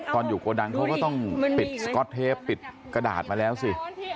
ตอนอยู่โกดังเขาก็ต้องปิดกระดาษมาแล้วสิ